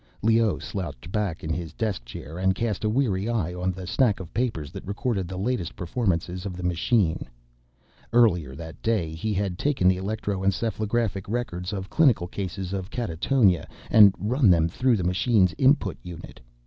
Leoh slouched back in his desk chair and cast a weary eye on the stack of papers that recorded the latest performances of the machine. Earlier that day he had taken the electroencephalographic records of clinical cases of catatonia and run them through the machine's input unit.